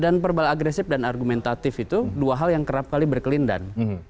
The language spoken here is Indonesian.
dan verbal aggressiveness dan argumentativeness itu dua hal yang kerap kali berkelindahan